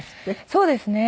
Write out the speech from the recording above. そうですね。